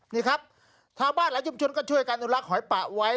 นี่ครับชาวบ้านหลายชุมชนก็ช่วยกันอนุรักษ์หอยปะไว้